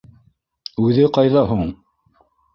Үҙе ҡайҙа һуң?